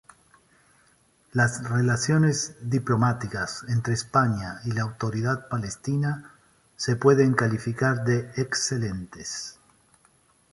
Las relaciones diplomáticas entre España y la Autoridad Palestina se pueden calificar de excelentes.